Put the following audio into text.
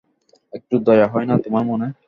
একটু দয়া হয় না তোমার মনে?